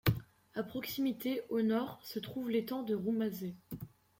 À proximité, au nord, se trouve l’étang de Roumazet.